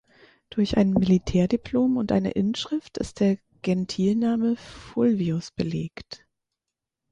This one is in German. Durch ein Militärdiplom und eine Inschrift ist der Gentilname "Fulvius" belegt.